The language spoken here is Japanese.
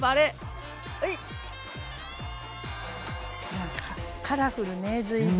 なんかカラフルね随分。